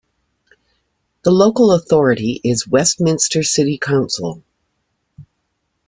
The local authority is Westminster City Council.